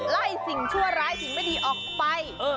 สิ่งชั่วร้ายสิ่งไม่ดีออกไป